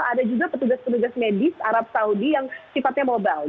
ada juga petugas petugas medis arab saudi yang sifatnya mobile